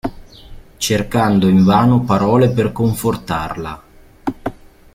Cercando invano parole per confortarla.